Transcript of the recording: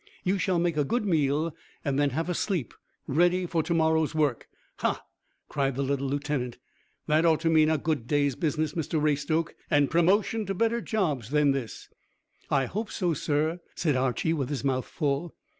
You shall make a good meal, and then have a sleep, ready for to morrow's work. Hah!" cried the little lieutenant; "that ought to mean a good day's business, Mr Raystoke, and promotion to better jobs than this." "I hope so, sir," said Archy, with his mouth full.